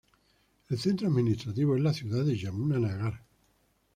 El centro administrativo es la ciudad de Yamuna Nagar.